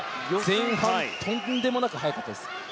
前半とんでもなく速かったです。